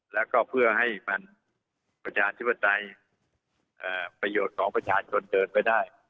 แล้วก็เพื่อให้มันประชาธิปไตยประโยชน์ของประชาชนเดินไปได้